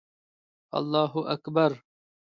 الله اکبر